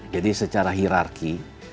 jadi secara hirarki